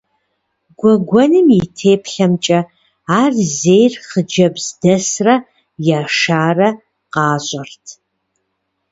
Гуэгуэным и теплъэмкӏэ, ар зейр хъыджэбз дэсрэ яшарэ къащӏэрт.